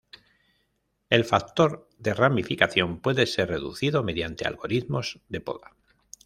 El factor de ramificación puede ser reducido mediante algoritmos de poda.